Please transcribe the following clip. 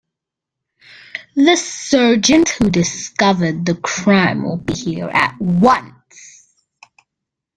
The sergeant who discovered the crime will be here at once.